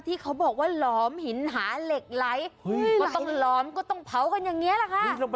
ที่เขาบอกว่าหลอมหินหาเหล็กไหลก็ต้องหลอมก็ต้องเผากันอย่างนี้แหละค่ะ